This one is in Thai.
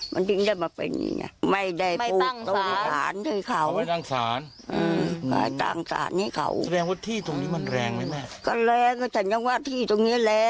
มันจึงได้มาเป็นอย่างนี้นะ